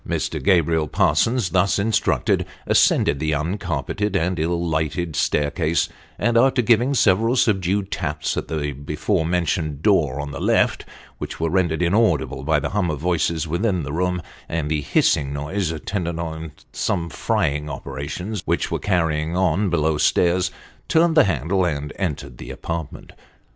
Mr. Gabriel Parsons thus instructed, ascended the uncarpeted and ill lighted staircase, and after giving several subdued taps at the before mentioned "door on the left," which were rendered inaudible by the hum of voices within the room, and the hissing noise attendant on some frying operations which were carrying on below stairs, turned the handle, and entered the apartment.